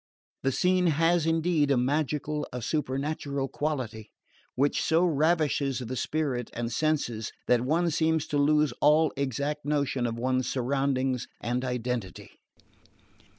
The scene has indeed a magical, a supernatural quality, which so ravishes the spirit and senses that one seems to lose all exact notion of one's surroundings and identity."